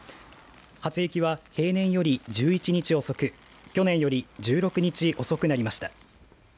初雪は平年より１１日遅く去年より１６日遅くなりました。